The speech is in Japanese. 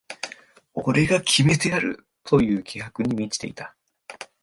俺が決めてやるという気迫に満ちていた